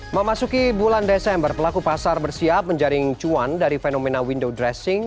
memasuki bulan desember pelaku pasar bersiap menjaring cuan dari fenomena window dressing